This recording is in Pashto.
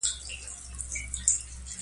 او صالح عملونه ئې كړي، د دې زېرى وركړه چې: